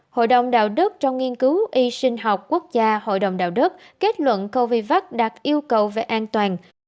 hội đồng đạo đức trong nghiên cứu y sinh học quốc gia hội đồng đạo đức kết luận covid đạt yêu cầu về an toàn